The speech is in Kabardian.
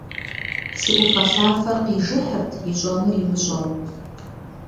Си Ӏуфэлъафэр къижыхьырт, ищӀэнур имыщӀэу.